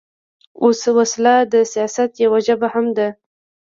وسله د سیاست یوه ژبه هم ده